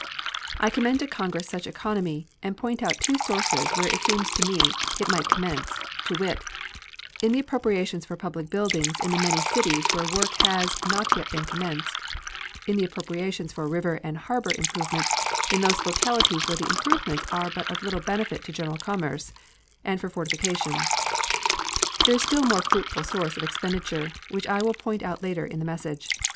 I commend to Congress such economy, and point out two sources where it seems to me it might commence, to wit, in the appropriations for public buildings in the many cities where work has not yet been commenced; in the appropriations for river and harbor improvement in those localities where the improvements are of but little benefit to general commerce, and for fortifications. There is a still more fruitful source of expenditure, which I will point out later in this message.